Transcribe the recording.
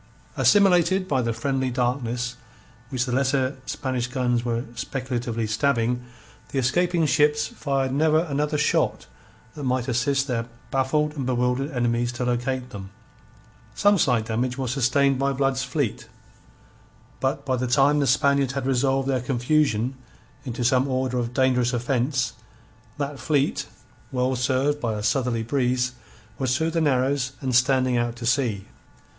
Assimilated by the friendly darkness which the lesser Spanish guns were speculatively stabbing, the escaping ships fired never another shot that might assist their baffled and bewildered enemies to locate them. Some slight damage was sustained by Blood's fleet. But by the time the Spaniards had resolved their confusion into some order of dangerous offence, that fleet, well served by a southerly breeze, was through the narrows and standing out to sea.